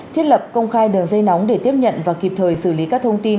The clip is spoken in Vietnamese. thiết lập công khai đường dây nóng để tiếp nhận và kịp thời xử lý các thông tin